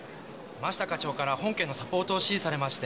真下課長から本件のサポートを指示されまして」